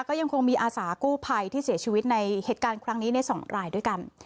ก็ยังคงมีอาสากู้ภัยที่เสียชีวิตในเหตุการณ์ครั้งนี้ใน๒รายด้วยกัน